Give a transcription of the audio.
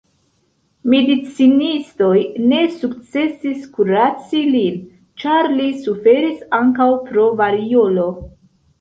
Medicinistoj ne sukcesis kuraci lin, ĉar li suferis ankaŭ pro variolo.